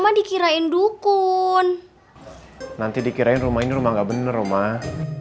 hai nanti oma dikirain dukun nanti dikirain rumah ini rumah nggak bener rumah